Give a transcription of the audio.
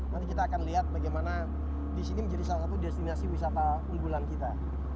nanti kita akan lihat bagaimana di sini menjadi salah satu destinasi wisata unggulan kita